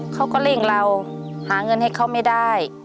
เขาก็เร่งเราหาเงินให้เขาไม่ได้